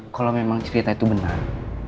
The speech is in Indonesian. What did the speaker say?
kalau memang cerita itu benar